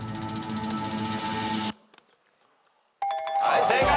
はい正解。